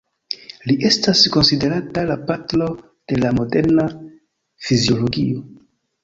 Li estas konsiderata la patro de la moderna fiziologio.